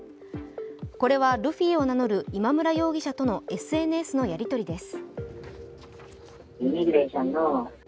これはルフィを名乗る今村容疑者とのＳＮＳのやりとりです。